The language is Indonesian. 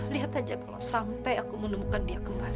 lihat aja kalau sampai aku menemukan dia kembali